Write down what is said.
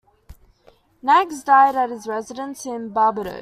Knaggs died at his residence in Barbados.